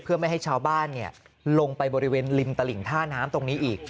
เพื่อไม่ให้ชาวบ้านลงไปบริเวณริมตลิ่งท่าน้ำตรงนี้อีก